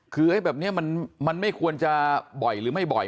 คือแบบนี้มันไม่ควรจะบ่อยหรือไม่บ่อย